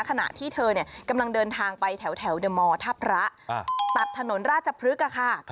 ขณะที่เธอกำลังเดินทางไปแถวเดอร์มอร์ท่าพระตัดถนนราชพฤกษ์ค่ะ